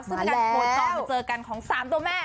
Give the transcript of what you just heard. ซึ่งกันโปรดต่อมาเจอกันของ๓ตัวแม่